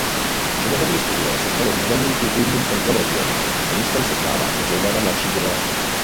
Činoherní studio se stalo významným kulturním centrem regionu a místem setkávání zejména mladší generace.